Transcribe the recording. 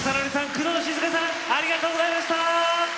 工藤静香さんありがとうございました！